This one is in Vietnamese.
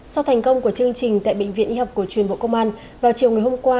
sau thành công của chương trình tại bệnh viện y học cổ truyền bộ công an vào chiều ngày hôm qua